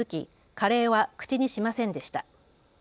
カレーは口にしませんでした。